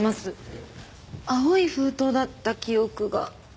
青い封筒だった記憶が。